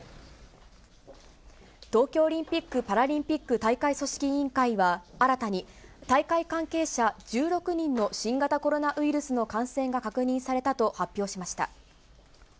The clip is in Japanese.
東京オリンピック・パラリンピック大会組織委員会は、新たに、大会関係者１６人の新型コロナウイルスの感染が確認されたと発表しました。